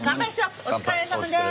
お疲れさまです。